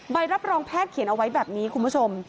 ใบรับรองแพทย์เขียนเอาไว้แบบนี้คุณผู้ชม